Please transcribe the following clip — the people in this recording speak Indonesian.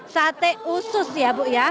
sate usus ya bu ya